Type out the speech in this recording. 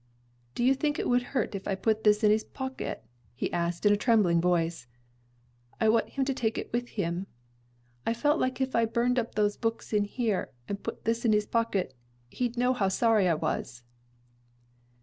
"Do you think it will hurt if I put this in his pocket?" he asked in a trembling voice. "I want him to take it with him. I felt like if I burned up those books in here, and put this in his pocket, he'd know how sorry I was."